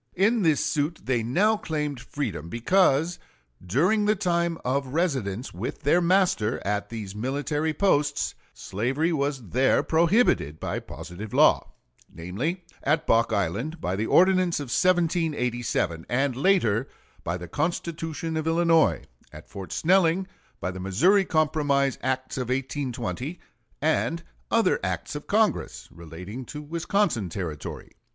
In this suit they now claimed freedom, because during the time of residence with their master at these military posts slavery was there prohibited by positive law; namely, at Bock Island by the ordinance of 1787, and later by the Constitution of Illinois; at Fort Snelling by the Missouri Compromise acts of 1820, and other acts of Congress relating to Wisconsin Territory.